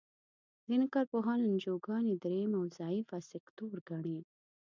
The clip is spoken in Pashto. ځینې کار پوهان انجوګانې دریم او ضعیفه سکتور ګڼي.